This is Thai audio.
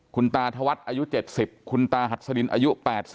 คุณตาธวัฒน์อายุ๗๐คุณตาหัดสดินอายุ๘๐